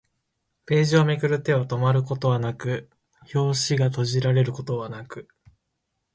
ページをめくる手は止まることはなく、表紙が閉じられることはなく